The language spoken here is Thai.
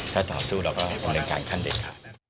ถ้าต่อสู้เราก็เป็นการขั้นเด็ด